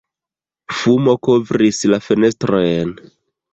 Fumo kovris la fenestrojn.